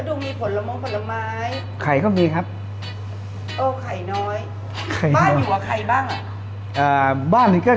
ดูมีผลโมงผลไม้ไข่ก็มีครับไข่น้อยบ้านอยู่กับใครบ้าง